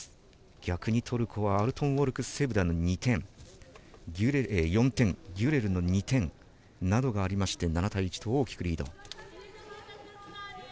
逆にトルコはアルトゥンオルク・セブダの４点ギュレルの２点などがありまして７対１と大きくリード。